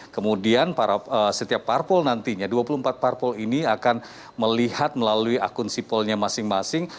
kemudian setiap parpol nantinya dua puluh empat parpol ini akan melihat melalui akun sipolnya masing masing